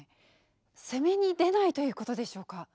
攻めに出ないということでしょうか？